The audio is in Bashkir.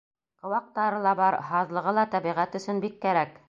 Ҡыуаҡтары ла бар, һаҙлығы ла тәбиғәт өсөн бик кәрәк.